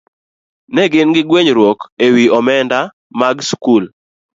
Ne gin gi gwenyruok e wi omenda mag skul.